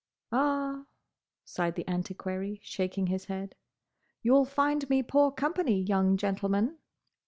"Ah," sighed the Antiquary, shaking his head, "you'll find me poor company, young gentleman."